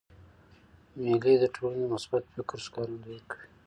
مېلې د ټولني د مثبت فکر ښکارندویي کوي.